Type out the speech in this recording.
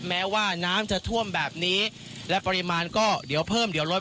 แม้ว่าน้ำจะท่วมแบบนี้และปริมาณก็เดี๋ยวเพิ่มเดี๋ยวลด